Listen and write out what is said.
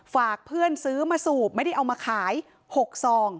ฝากเพื่อนซื้อมาสูบไม่ได้เอามาขาย๖ซอง